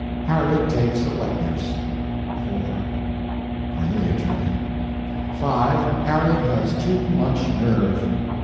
Harriet takes a wet nurse. 4. CORNELIA TURNER. 5. Harriet has too much nerve.